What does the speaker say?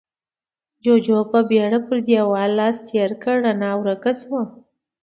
جُوجُو په بيړه پر دېوال لاس تېر کړ، رڼا ورکه شوه.